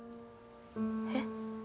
えっ！？